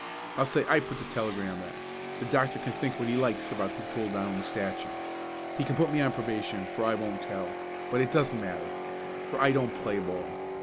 I'll say I put the telegram there. The doctor can think what he likes about who pulled down the statue. He can put me on probation for I won't tell, but it doesn't matter, for I don't play ball.